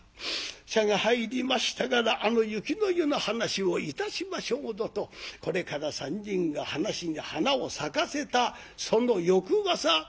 茶が入りましたからあの雪の夜の話をいたしましょうぞ」とこれから３人が話に花を咲かせたその翌朝。